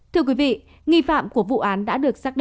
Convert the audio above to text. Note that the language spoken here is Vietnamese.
thưa quý vị nghi phạm của vụ án đã được xác định